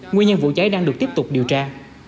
nguyên nhân vụ cháy đang được tiếp tục điều tra